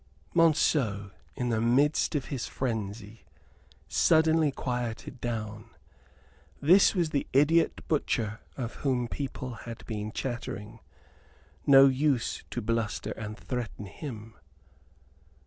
Monceux, in the midst of his frenzy, suddenly quieted down. This was the idiot butcher of whom people had been chattering. No use to bluster and threaten him.